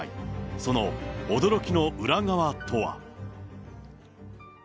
その驚きの裏側とは。